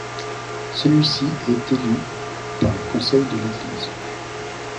Celui-ci est élu par le Conseil de l'Église.